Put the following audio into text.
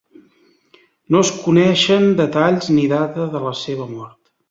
No es coneixen detalls ni data de la seva mort.